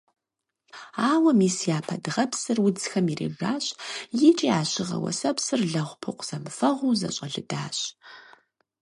Ауэ мис япэ дыгъэпсыр удзхэм ирижащ икӀи а щыгъэ-уэсэпсыр лэгъупыкъу зэмыфэгъуу зэщӀэлыдащ.